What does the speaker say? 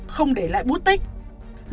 không để lại bút tích